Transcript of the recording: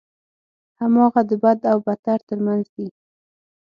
هماغه د بد او بدتر ترمنځ دی.